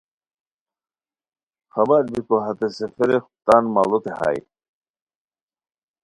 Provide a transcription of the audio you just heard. خبربیکو ہتے سیمُرغ تان ماڑوتے ہائے